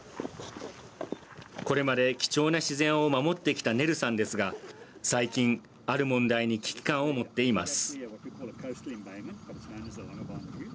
これまで貴重な自然を守ってきたネルさんですが最近、ある問題に危機感を持っています。